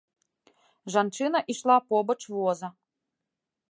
Жанчына ішла побач воза.